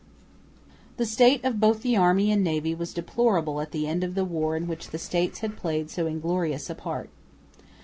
The state of both the army and navy was deplorable at the end of the war in which the States had played so inglorious a part.